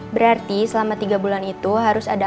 berarti selama tiga bulan itu harus ada